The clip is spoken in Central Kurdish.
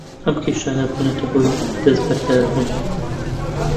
ئەم کێشانە بوونەتە هۆی دەستبەرداربوون